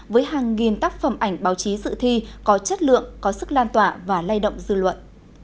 với hàng nghìn tác phẩm ảnh báo chí dự thi có chất lượng có sức lan tỏa và lay động dư luận